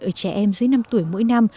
ở trẻ em dưới năm tuổi mỗi năm